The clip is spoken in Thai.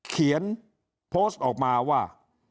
เขียนโพสต์ออกมาว่า